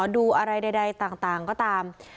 ดูอะไรใดต่างก็ตาม